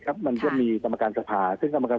ครับมันก็มีต่ำการสภาซึ่งต่ำการ